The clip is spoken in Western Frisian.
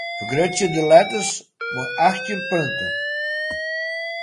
Fergrutsje de letters mei achttjin punten.